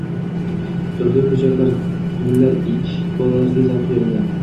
Turli ko‘chatlar, gullar ekish bolalarga zavq beradi.